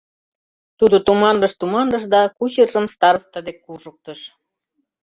Тудо туманлыш-туманлыш да кучержым староста дек куржыктыш.